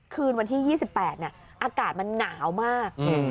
คืนวันที่๒๘อากาศมันหนาวมาก